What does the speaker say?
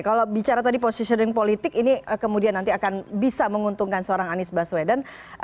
kalau bicara tadi positioning politik ini kemudian nanti akan bisa menguntungkan seorang anies baswedan